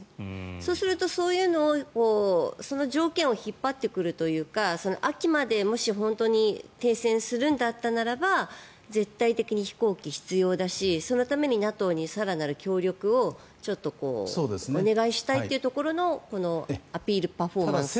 そうするとそういうのをその条件を引っ張ってくるというか秋まで、もし本当に停戦するんだったらならば絶対的に飛行機が必要だしそのためにＮＡＴＯに更なる協力をお願いしたいというところのこのアピールパフォーマンスという。